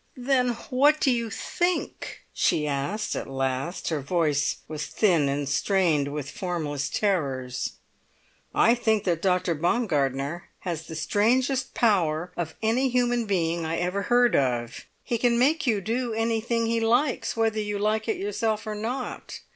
"Then what do you think?" she asked at last; her voice was thin and strained with formless terrors. "I think that Dr. Baumgartner has the strangest power of any human being I ever heard of; he can make you do anything he likes, whether you like it yourself or not.